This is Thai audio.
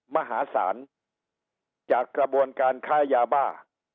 มหาศาลจากกระบวนการค้ายาบ้า